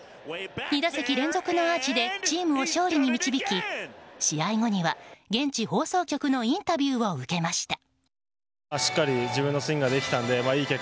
２打席連続のアーチでチームを勝利に導き試合後には現地放送局のインタビューを受けました。